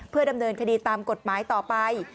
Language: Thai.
ดำเนินคดีตามกฎหมายต่อไป